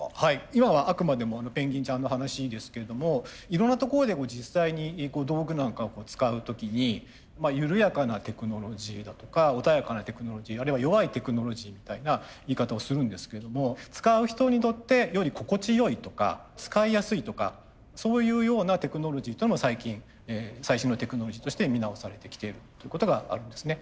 今はあくまでもペンギンちゃんの話ですけれどもいろんなところで実際に道具なんかを使う時に緩やかなテクノロジーだとか穏やかなテクノロジーあるいは弱いテクノロジーみたいな言い方をするんですけれども使う人にとってより心地よいとか使いやすいとかそういうようなテクノロジーとの最近最新のテクノロジーとして見直されてきているということがあるんですね。